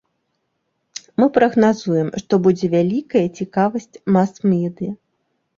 Мы прагназуем, што будзе вялікая цікавасць мас-медыя.